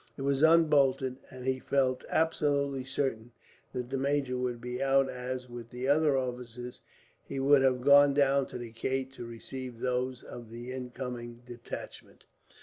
It was unbolted, and he felt absolutely certain that the major would be out as, with the other officers, he would have gone down to the gate to receive those of the incoming detachment.